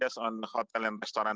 tentang sektor hotel dan restoran